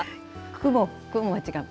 雲、雲違う。